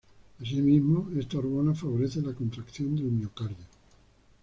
Asimismo, esta hormona favorece la contracción del miocardio.